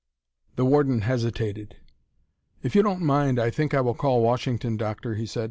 The warden hesitated. "If you don't mind, I think I will call Washington, Doctor," he said.